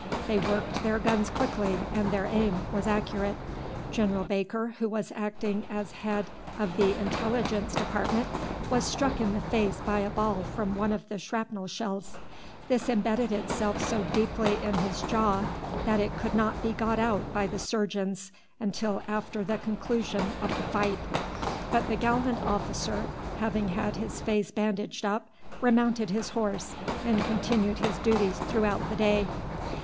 They worked their guns quickly and their aim was accurate. General Baker, who was acting as head of the intelligence department, was struck in the face by a ball from one of the shrapnel shells. This imbedded itself so deeply in his jaw that it could not be got out by the surgeons until after the conclusion of the fight. But the gallant officer, having had his face bandaged up, remounted his horse, and continued his duties throughout the day.